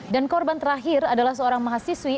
dan korban terakhir adalah seorang mahasiswi